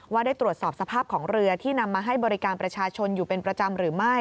ว่าได้ตรวจสอบสภาพของเรือที่นำมาให้บริการประชาชนอยู่เป็นประจำหรือไม่